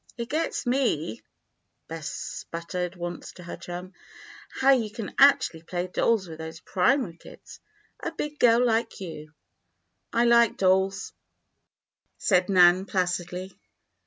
"It gets me," Bess sputtered once to her chum, "how you can actually play dolls with those primary kids a big girl like you." "I like dolls," said Nan, placidly.